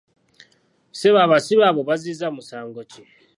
Ssebo abasibe abo bazzizza musango ki?